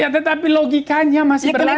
tetapi logikanya masih berlanjut